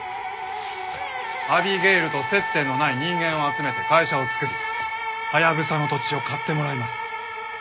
アビゲイルと接点のない人間を集めて会社を作りハヤブサの土地を買ってもらいます。